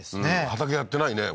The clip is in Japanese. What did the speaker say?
畑やってないね